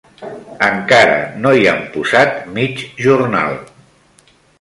Encara no hi han posat mig jornal.